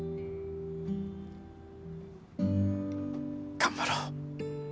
頑張ろう。